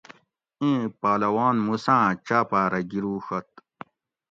ایں پہلوان موسیٰ آں چاپیرہ گیروڛت